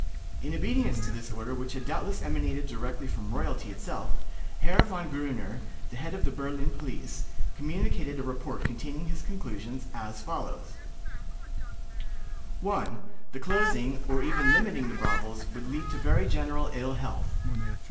In obedience to this order, which had doubtless emanated direct from royalty itself, Herr Von Gruner, the head of the Berlin police, communicated a report containing his conclusions, as follows: "1. That closing, or even limiting the brothels, would lead to very general ill health."